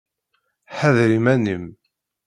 Ḥader iman-im!